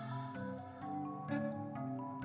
えっ。